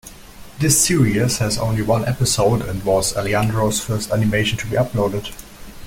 This series has only one episode, and was Alejandro's first animation to be uploaded.